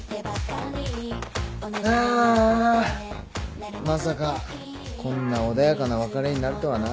あーあまさかこんな穏やかな別れになるとはな。